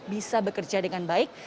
bisa bekerja dengan baik